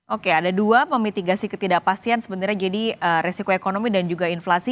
oke ada dua memitigasi ketidakpastian sebenarnya jadi resiko ekonomi dan juga inflasi